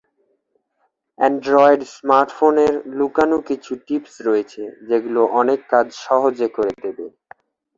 Android স্মার্টফোনের লুকানো কিছু টিপস রয়েছে, যেগুলো অনেক কাজ সহজে করে দেবে।